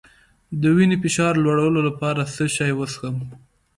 د وینې فشار لوړولو لپاره څه شی وڅښم؟